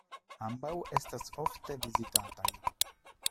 Ambaŭ estas ofte vizitataj.